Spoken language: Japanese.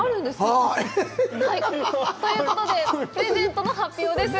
はいということでプレゼントの発表です